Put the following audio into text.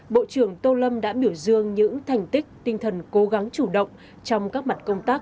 bộ trưởng tô lâm đã biểu dương những thành tích tinh thần cố gắng chủ động trong các mặt công tác